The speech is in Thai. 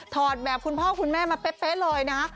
อดแบบคุณพ่อคุณแม่มาเป๊ะเลยนะ